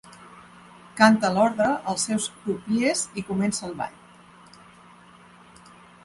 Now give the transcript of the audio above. Canta l'ordre als seus crupiers i comença el ball.